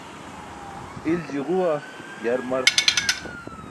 Ilji ġuwa, yar mart.